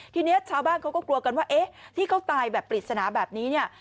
ทีนี้ชาวบ้างเขาก็กลัวกันว่าที่เขาตายปริศนาแบบนี้